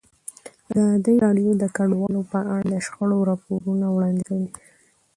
ازادي راډیو د کډوال په اړه د شخړو راپورونه وړاندې کړي.